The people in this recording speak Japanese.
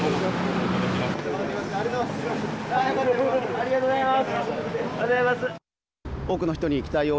ありがとうございます。